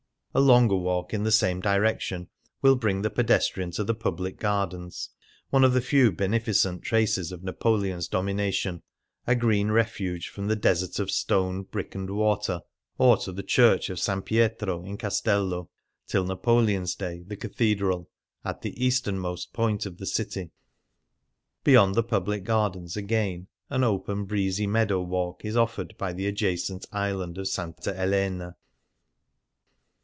A longer walk in the same direction Things Seen in Venice will bring the pedestrian to the Public Gardens, one of the few beneficent traces of Napoleon's domination, a green refuge from the desert of stone, brick, and water, or to the church of S. Pietro in Castello — till Napoleon's day the cathedral — at the easternmost point of the city. Beyond the Public Gardens, again, an open breezy meadow walk is offered by the adjacent island of S. Elena.